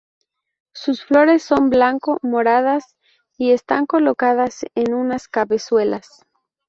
Sus flores son blanco-moradas y están colocadas en unas cabezuelas.